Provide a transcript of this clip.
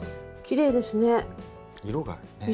きれいですね。